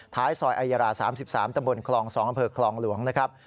ท้ายสอยไอยรา๓๓ตำบลครอง๒อำเภอครองหลวงนะครับ